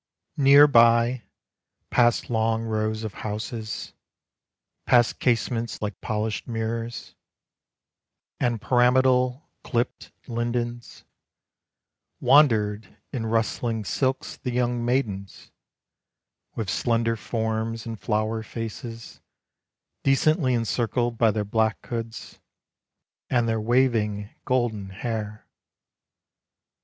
Near by, past long rows of houses, Past casements like polished mirrors, And pyramidal, clipped lindens, Wandered, in rustling silks, the young maidens, With slender forms, and flower faces Decently encircled by their black hoods, And their waving golden hair.